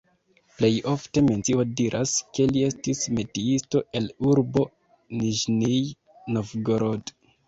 Plej ofte mencio diras, ke li estis metiisto el urbo Niĵnij Novgorod.